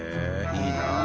いいなあ。